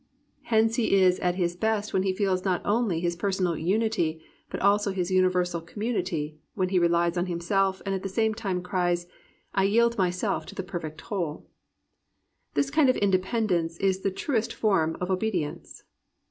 Hence he is at his best when he feels not only his personal uniiy but also his universal cmn munityy when he relies on himself and at the same time cries I yield myself to the perfect whole." This kind of independence is the truest form of obe dience.